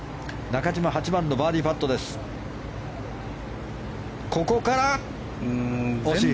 中島、８番のバーディーパット惜しい。